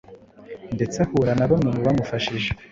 ndetse ahura na bamwe mubamufashije